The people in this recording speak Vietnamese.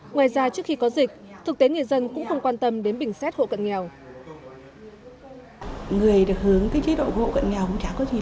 ngoài ra trước khi có dịch thực tế người dân cũng không quan tâm đến bình xét hộ cận nghèo